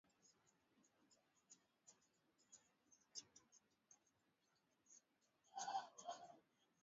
Zara Larsson Swedish House Mafia Danny Saucedo Basshunter Loreen Galantis